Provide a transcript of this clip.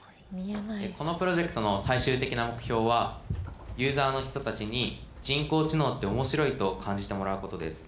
このプロジェクトの最終的な目標はユーザーの人たちに人工知能って面白いと感じてもらうことです。